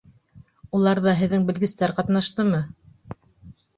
Уларҙа һеҙҙең белгестәр ҡатнаштымы?